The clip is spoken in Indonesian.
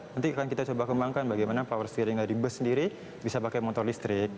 nanti akan kita coba kembangkan bagaimana power steering dari bus sendiri bisa pakai motor listrik